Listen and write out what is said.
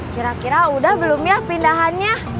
kira kira udah belum ya pindahannya